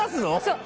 そう。